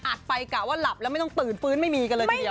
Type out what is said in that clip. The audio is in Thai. ไปกะว่าหลับแล้วไม่ต้องตื่นฟื้นไม่มีกันเลยทีเดียว